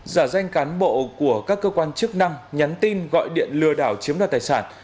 giả danh cán bộ của các cơ quan chức năng nhắn tin gọi điện lừa đảo chiếm đoạt tài sản